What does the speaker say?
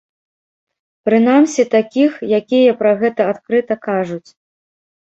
Прынамсі такіх, якія пра гэта адкрыта кажуць.